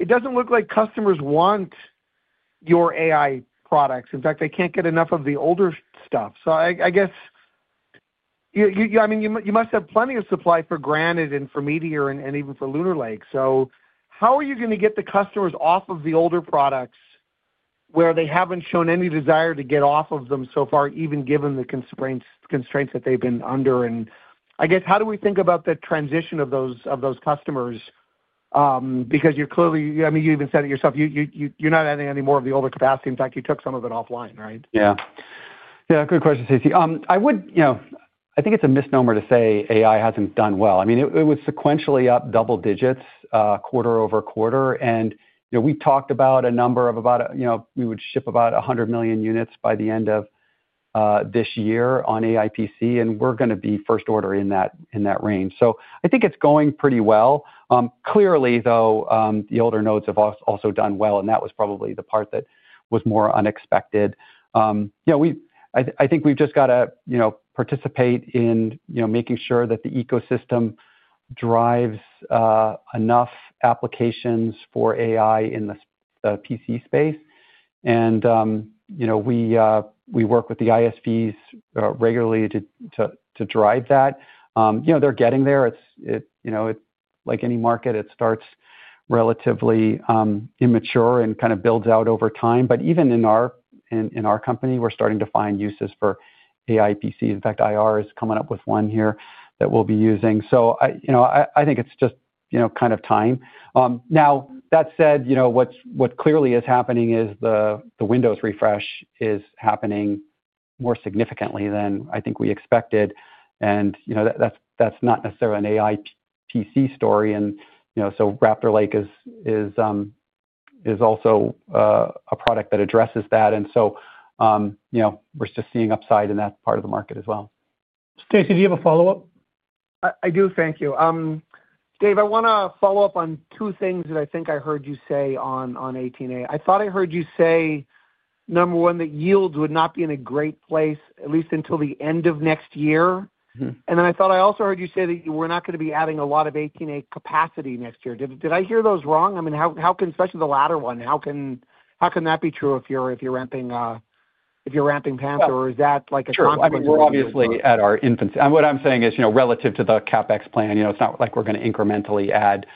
I: it doesn't look like customers want your AI products. In fact, they can't get enough of the older stuff. I guess, I mean, you must have plenty of supply for Granite and for Meteor and even for Lunar Lake. How are you going to get the customers off of the older products where they haven't shown any desire to get off of them so far, even given the constraints that they've been under? I guess, how do we think about the transition of those customers? Because you're clearly, I mean, you even said it yourself, you're not adding any more of the older capacity. In fact, you took some of it offline, right?
D: Yeah, good question, Stacy. I would, you know, I think it's a misnomer to say AI hasn't done well. I mean, it was sequentially up double digits quarter-over-quarter. We talked about a number of about, you know, we would ship about 100 million units by the end of this year on AI PC, and we're going to be first order in that range. I think it's going pretty well. Clearly, though, the older nodes have also done well, and that was probably the part that was more unexpected. I think we've just got to participate in making sure that the ecosystem drives enough applications for AI in the PC space. We work with the ISVs regularly to drive that. They're getting there. It's, you know, like any market, it starts relatively immature and kind of builds out over time. Even in our company, we're starting to find uses for AI PCs. In fact, IR is coming up with one here that we'll be using. I think it's just kind of time. That said, what clearly is happening is the Windows refresh is happening more significantly than I think we expected. That's not necessarily an AI PC story. Raptor Lake is also a product that addresses that. We're just seeing upside in that part of the market as well.
B: Stacy, do you have a follow-up?
I: I do, thank you. Dave, I want to follow up on two things that I think I heard you say on 18A. I thought I heard you say, number one, that yields would not be in a great place, at least until the end of next year. I thought I also heard you say that we're not going to be adding a lot of 18A capacity next year. Did I hear those wrong? I mean, how can, especially the latter one, how can that be true if you're ramping Panther? Or is that like a consequence?
D: We're obviously at our infancy. What I'm saying is, you know, relative to the CapEx plan, it's not like we're going to incrementally add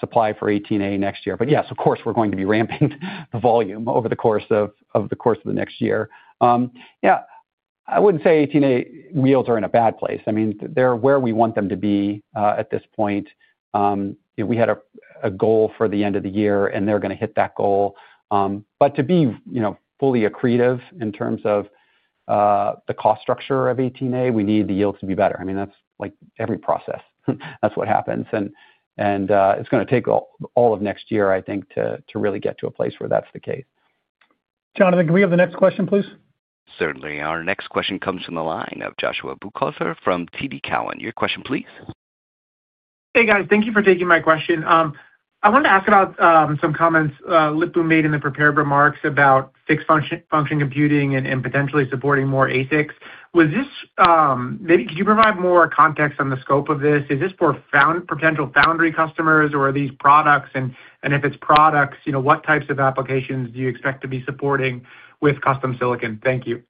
D: supply for Intel 18A next year. Yes, of course, we're going to be ramping the volume over the course of the next year. Yeah,I wouldn't say Intel 18A yields are in a bad place. They're where we want them to be at this point. We had a goal for the end of the year, and they're going to hit that goal. To be fully accretive in terms of the cost structure of Intel 18A, we need the yields to be better. That's like every process. That's what happens. It's going to take all of next year, I think, to really get to a place where that's the case.
B: Jonathan, can we have the next question, please?
A: Certainly, our next question comes from the line of Joshua Buchalter from TD Cowen. Your question, please.
J: Hey guys, thank you for taking my question. I wanted to ask about some comments Lip-Bu Tan made in the prepared remarks about fixed function computing and potentially supporting more ASICs. Could you provide more context on the scope of this? Is this for potential foundry customers or are these products? If it's products, what types of applications do you expect to be supporting with custom silicon? Thank you.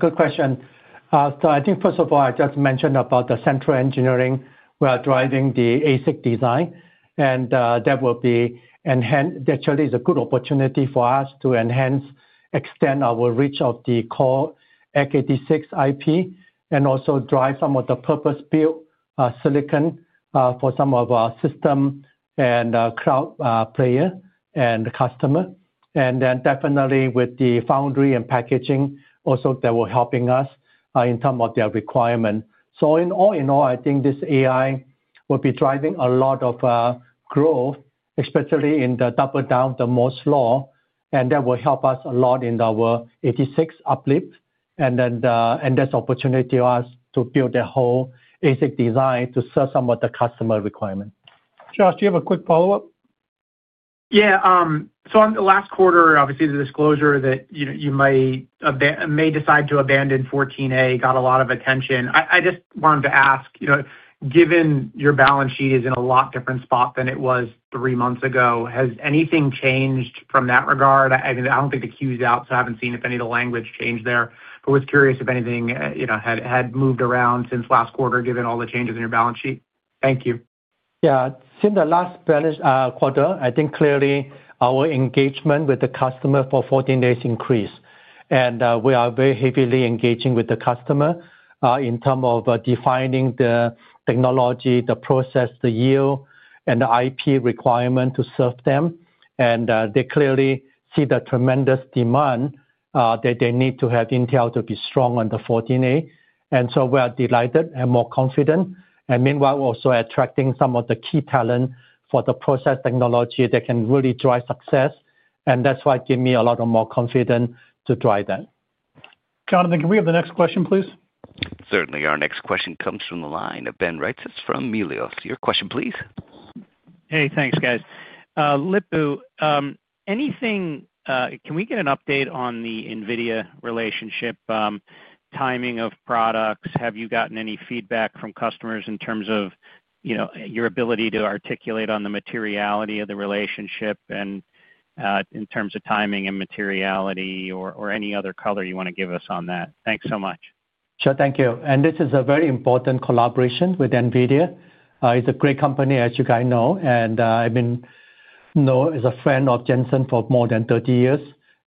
C: Good question. I think first of all, I just mentioned about the central engineering. We are driving the ASIC design, and that will be enhanced. Actually, it's a good opportunity for us to enhance, extend our reach of the core x86 IP, and also drive some of the purpose-built silicon for some of our system and cloud player and customer. Definitely, with the Foundry and packaging, also, that will be helping us in terms of their requirement. In all, I think this AI will be driving a lot of growth, especially in the double down of the Moore's Law. That will help us a lot in our x86 uplift. There's an opportunity for us to build that whole ASIC design to serve some of the customer requirements.
B: Josh, do you have a quick follow-up?
J: Yeah, on the last quarter, obviously the disclosure that, you know, you may decide to abandon 14A got a lot of attention. I just wanted to ask, you know, given your balance sheet is in a lot different spot than it was three months ago, has anything changed from that regard? I mean, I don't think the Q is out, so I haven't seen if any of the language changed there. I was curious if anything had moved around since last quarter, given all the changes in your balance sheet. Thank you.
C: Yeah, since the last quarter, I think clearly our engagement with the customer for 14A has increased. We are very heavily engaging with the customer in terms of defining the technology, the process, the yield, and the IP requirement to serve them. They clearly see the tremendous demand that they need to have Intel to be strong on the 14A. And so we are delighted and more confident. Meanwhile, we're also attracting some of the key talent for the process technology that can really drive success. That's why it gave me a lot of more confidence to drive that.
B: Jonathan, can we have the next question, please?
A: Certainly, our next question comes from the line of Ben Reitz from Melius. Your question, please.
K: Hey, thanks guys. Lip-Bu, can we get an update on the Nvidia relationship, timing of products? Have you gotten any feedback from customers in terms of your ability to articulate on the materiality of the relationship and in terms of timing and materiality or any other color you want to give us on that? Thanks so much.
C: Thank you. This is a very important collaboration with Nvidia. It's a great company, as you guys know. I've been, you know, as a friend of Jensen for more than 30 years.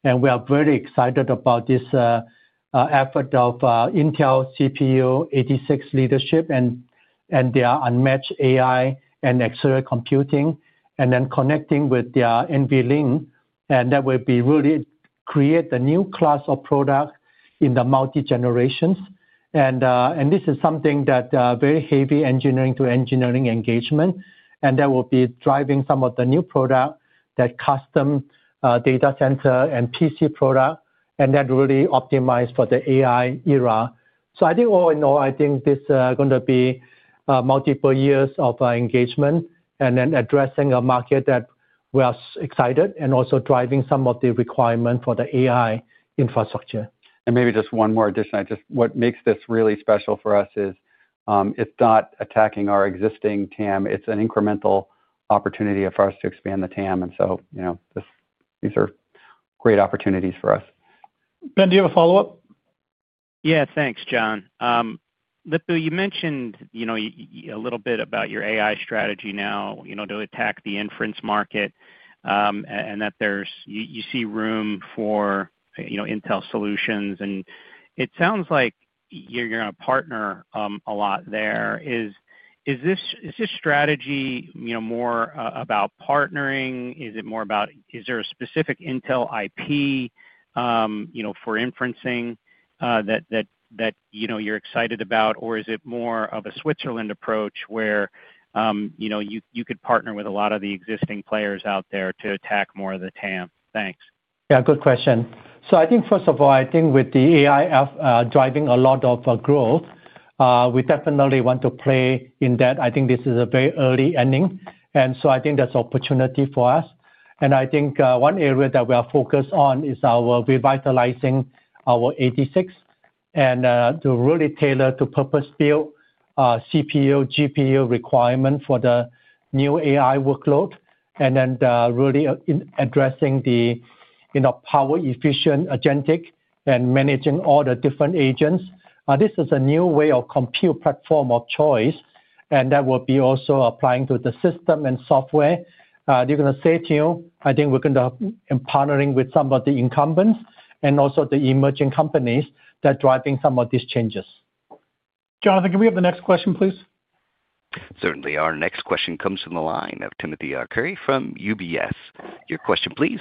C: We are very excited about this effort of Intel CPU 86 leadership and their unmatched AI and accelerated computing, then connecting with their NVLink. That will really create a new class of product in the multi-generations. This is something that is very heavy engineering to engineering engagement. That will be driving some of the new products that custom data center and PC products, and that really optimized for the AI era. I think all in all, I think this is going to be multiple years of engagement and then addressing a market that we are excited and also driving some of the requirements for the AI infrastructure.
D: Maybe just one more addition. What makes this really special for us is it's not attacking our existing TAM. It's an incremental opportunity for us to expand the TAM. These are great opportunities for us.
B: Ben, do you have a follow-up?
K: Yeah, thanks, John. Lip-Bu, you mentioned a little bit about your AI strategy now, you know, to attack the inference market and that there's, you see room for, you know, Intel solutions. It sounds like you're going to partner a lot there. Is this strategy more about partnering? Is it more about, is there a specific Intel IP, you know, for inferencing that you're excited about? Or is it more of a Switzerland approach where you could partner with a lot of the existing players out there to attack more of the TAM? Thanks.
C: Yeah, good question. I think with the AI driving a lot of growth, we definitely want to play in that. I think this is a very early ending, and that's an opportunity for us. One area that we are focused on is revitalizing our x86 and to really tailor to purpose-built CPU, GPU requirements for the new AI workload. Then really addressing the power-efficient agentic and managing all the different agents. This is a new way of compute platform of choice, and that will be also applying to the system and software. You're going to say too, I think we're going to be partnering with some of the incumbents and also the emerging companies that are driving some of these changes.
B: Jonathan, can we have the next question, please?
A: Certainly, our next question comes from the line of Timothy Arcuri from UBS. Your question, please.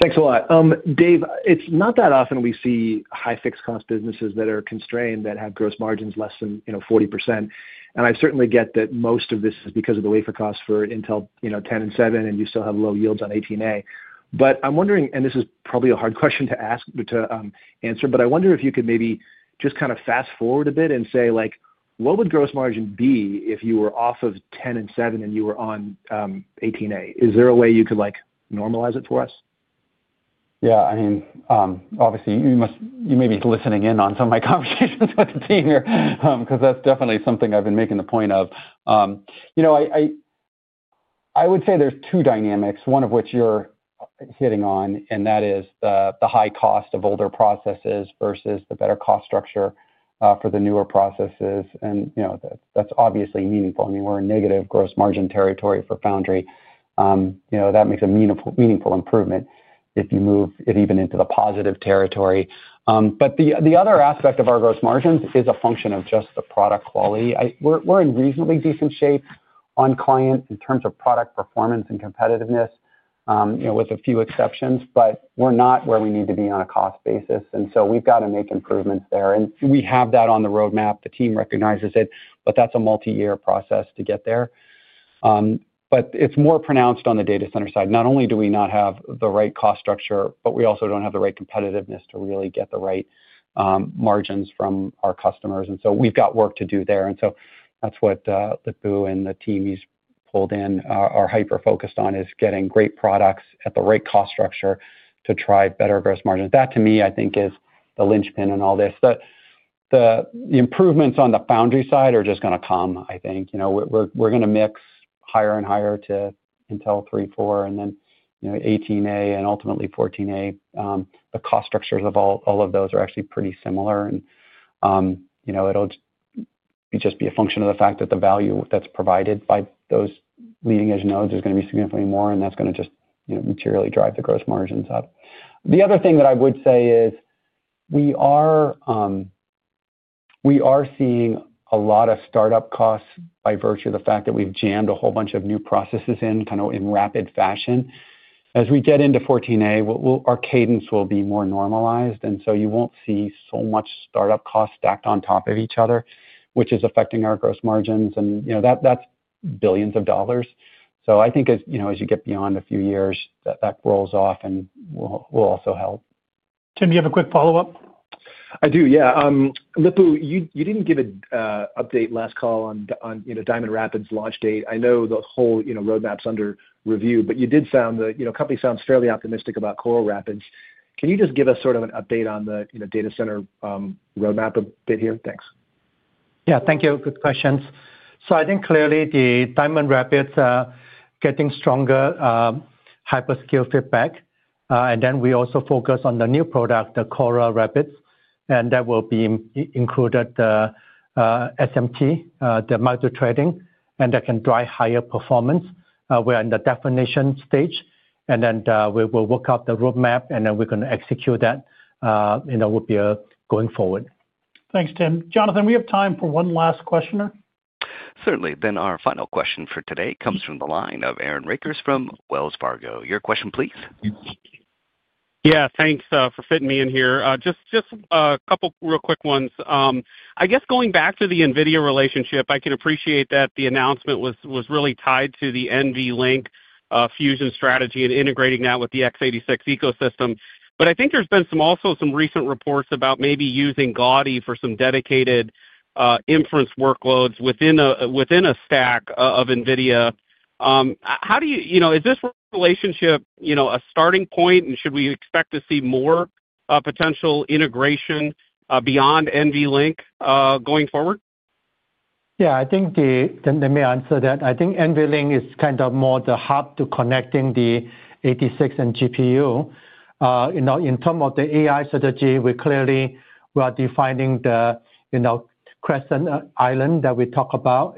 L: Thanks a lot. Dave, it's not that often we see high fixed cost businesses that are constrained, that have gross margins less than 40%. I certainly get that most of this is because of the wafer costs for Intel 10 and 7, and you still have low yields on 18A. I'm wondering, and this is probably a hard question to ask or to answer, but I wonder if you could maybe just kind of fast forward a bit and say like, what would gross margin be if you were off of 10 and seven and you were on 18A? Is there a way you could like normalize it for us?
D: Yeah, I mean, obviously you may be listening in on some of my conversations with the team here, because that's definitely something I've been making the point of. You know, I would say there's two dynamics, one of which you're hitting on, and that is the high cost of older processes versus the better cost structure for the newer processes. That's obviously meaningful. I mean, we're in negative gross margin territory for Foundry. That makes a meaningful improvement if you move even into the positive territory. The other aspect of our gross margins is a function of just the product quality. We're in reasonably decent shape on client in terms of product performance and competitiveness, with a few exceptions, but we're not where we need to be on a cost basis. We've got to make improvements there. We have that on the roadmap. The team recognizes it, but that's a multi-year process to get there. It's more pronounced on the data center side. Not only do we not have the right cost structure, but we also don't have the right competitiveness to really get the right margins from our customers. We've got work to do there. That's what Lip-Bu and the team he's pulled in are hyper-focused on, is getting great products at the right cost structure to try better gross margins. That to me, I think, is the linchpin in all this. The improvements on the Foundry side are just going to come, I think. We're going to mix higher and higher to Intel three, four, and then, 18A and ultimately 14A. The cost structures of all of those are actually pretty similar. You know, it'll just be a function of the fact that the value that's provided by those leading edge nodes is going to be significantly more, and that's going to just materially drive the gross margins up. The other thing that I would say is we are seeing a lot of startup costs by virtue of the fact that we've jammed a whole bunch of new processes in kind of in rapid fashion. As we get into 14A, our cadence will be more normalized, and you won't see so much startup costs stacked on top of each other, which is affecting our gross margins. That's billions of dollars. I think, as you get beyond a few years, that rolls off and will also help.
B: Tim, do you have a quick follow-up?
L: I do, yeah. Lip-Bu, you didn't give an update last call on Diamond Rapids' launch date. I know the whole, you know, roadmap's under review, but you did sound, you know, the company sounds fairly optimistic about Coral Rapids. Can you just give us sort of an update on the data center roadmap a bit here? Thanks.
C: Thank you. Good questions. I think clearly the Diamond Rapids are getting stronger hyperscale feedback. We also focus on the new product, the Coral Rapids. That will include the SMT, the micro threading, and that can drive higher performance. We are in the definition stage, and we will work out the roadmap, and we are going to execute that. That will be going forward.
B: Thanks, Tim. Jonathan, we have time for one last question.
A: Certainly, our final question for today comes from the line of Aaron Rakers from Wells Fargo. Your question, please.
M: Yeah, thanks for fitting me in here. Just a couple of real quick ones. I guess going back to the Nvidia relationship, I can appreciate that the announcement was really tied to the NVLink fusion strategy and integrating that with the x86 ecosystem. I think there's been also some recent reports about maybe using Gaudi for some dedicated inference workloads within a stack of Nvidia. How do you, you know, is this relationship, you know, a starting point, and should we expect to see more potential integration beyond NVLink going forward?
C: Yeah, I think, let me answer that. I think NVLink is kind of more the hub to connecting the x86 and GPU. In terms of the AI strategy, we clearly are defining the, you know, Crescent Island that we talked about.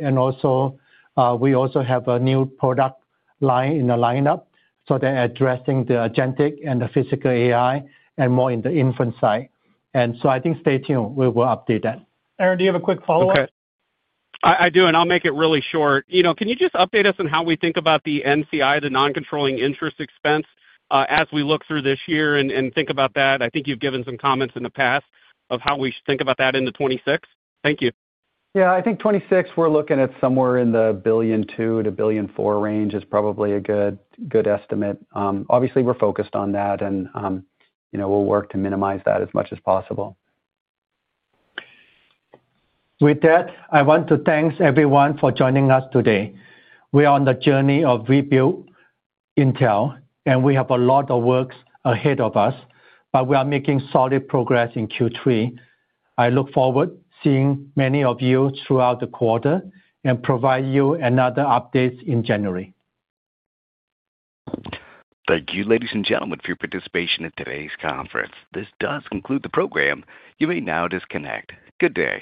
C: We also have a new product line in the lineup. They're addressing the agentic and the physical AI and more in the inference side. I think stay tuned. We will update that.
B: Aaron, do you have a quick follow-up?
M: I do, and I'll make it really short. You know, can you just update us on how we think about the NCI, the non-controlling interest expense, as we look through this year and think about that? I think you've given some comments in the past of how we should think about that in the 2026. Thank you.
D: Yeah, I think 2026, we're looking at somewhere in the $1.2 billion to $1.4 billion range is probably a good estimate. Obviously, we're focused on that, and you know, we'll work to minimize that as much as possible.
C: With that, I want to thank everyone for joining us today. We are on the journey of rebuilding Intel, and we have a lot of work ahead of us, but we are making solid progress in Q3. I look forward to seeing many of you throughout the quarter and providing you with another update in January.
A: Thank you, ladies and gentlemen, for your participation in today's conference. This does conclude the program. You may now disconnect. Good day.